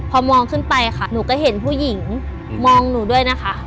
พอมองขึ้นไปค่ะหนูก็เห็นผู้หญิงมองหนูด้วยนะคะ